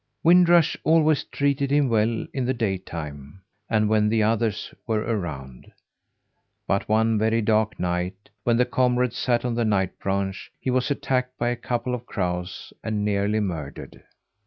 Wind Rush always treated him well in the daytime, and when the others were around; but one very dark night, when the comrades sat on the night branch, he was attacked by a couple of crows and nearly murdered.